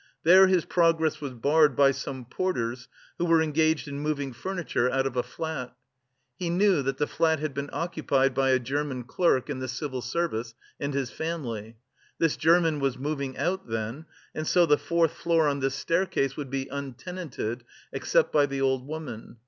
There his progress was barred by some porters who were engaged in moving furniture out of a flat. He knew that the flat had been occupied by a German clerk in the civil service, and his family. This German was moving out then, and so the fourth floor on this staircase would be untenanted except by the old woman.